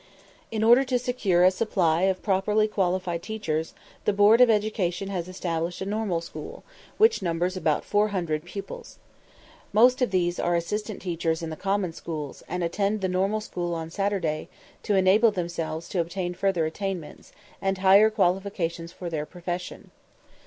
In order to secure a supply of properly qualified teachers, the Board of Education has established a normal school, which numbers about 400 pupils. Most of these are assistant teachers in the common schools, and attend the normal school on Saturdays, to enable themselves to obtain further attainments, and higher qualifications for their profession.